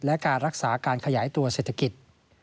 และการรักษาการขยายตัวเศรษฐกิจ